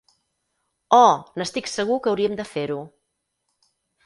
Oh, n'estic segur que hauríem de fer-ho.